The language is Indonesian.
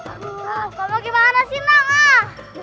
ada yang sudah dibawa dibawa bahkan